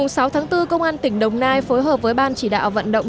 ngày sáu tháng bốn công an tỉnh đồng nai phối hợp với ban chỉ đạo vận động